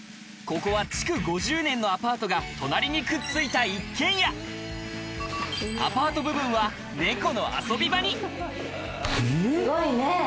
ここは築５０年のアパートが隣にくっついた一軒家アパート部分はすごいね。